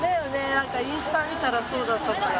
何かインスタ見たらそうだったから。